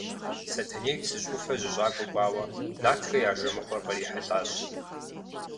Сэтэней Псыжь ӏуфэ жьыщӏакӏуэ кӏуауэ, нартхэ я жэмыхъуэр кърихьэлӏащ.